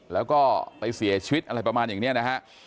แล้วก็ไปเสียชีวิตอะไรประมาณอย่างนี้นะฮะ